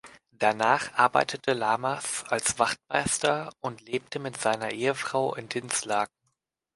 Danach arbeitete Lamers als Wachtmeister und lebte mit seiner Ehefrau in Dinslaken.